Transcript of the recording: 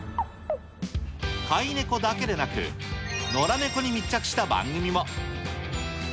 飼いネコだけでなく、野良ネコに密着した番組も。